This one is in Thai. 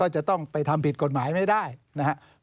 จะต้องไปทำผิดกฎหมายไม่ได้นะครับ